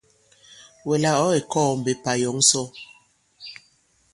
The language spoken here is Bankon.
Wɛ̀ là ɔ̌ kè kɔɔ̄ mbe, pà yɔ̌ŋ sɔ?